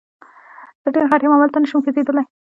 زه ډیر غټ یم او هلته نشم کوزیدلی.